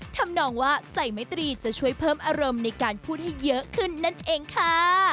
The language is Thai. ทำนองว่าใส่ไม้ตรีจะช่วยเพิ่มอารมณ์ในการพูดให้เยอะขึ้นนั่นเองค่ะ